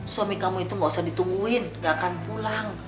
suami kamu itu gak usah ditungguin gak akan pulang